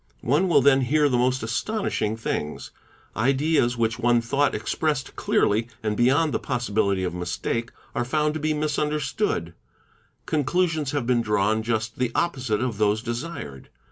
' One will then hear the most astonishing things; ideas which one thought ta pressed clearly and beyond the possibility of mistake, are found to be misunderstood ; conclusions have been drawn just the opposite of those a esired.